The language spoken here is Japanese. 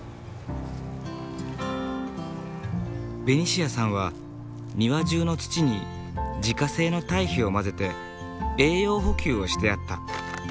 ベニシアさんは庭中の土に自家製の堆肥を混ぜて栄養補給をしてあった。